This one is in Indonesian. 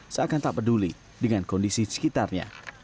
seakan tak peduli dengan kondisi sekitarnya